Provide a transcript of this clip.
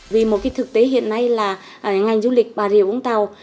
vì một thực tế hiện nay là ngành du lịch bà địa vũng tàu